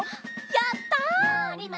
やった！